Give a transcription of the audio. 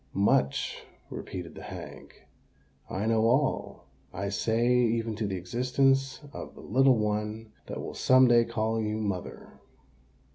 "Much!" repeated the hag. "I know all, I say,—even to the existence of the little one that will some day call you mother."